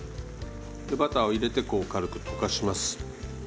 バターを入れてこう軽く溶かします。